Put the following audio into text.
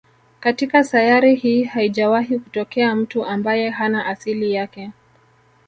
Katika sayari hii haijawahi kutokea mtu ambaye hana asili yake